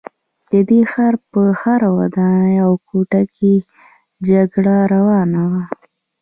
د دې ښار په هره ودانۍ او کوټه کې جګړه روانه وه